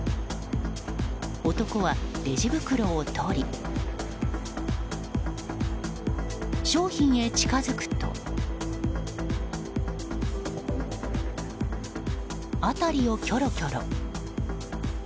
男はレジ袋を取り商品へ近づくと辺りをキョロキョロ。